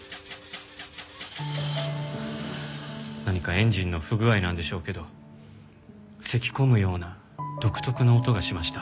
何かエンジンの不具合なんでしょうけどせき込むような独特の音がしました。